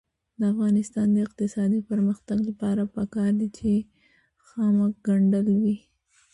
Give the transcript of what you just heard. د افغانستان د اقتصادي پرمختګ لپاره پکار ده چې خامک ګنډل وي.